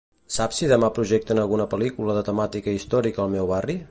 Saps si demà projecten alguna pel·lícula de temàtica històrica al meu barri?